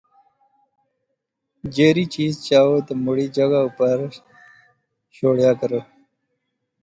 جیہری چیز چاَئو تے موڑی جغہ اوپر شوڑیا کرو